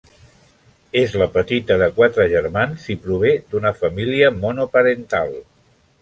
És la petita de quatre germans i prové d'una família monoparental.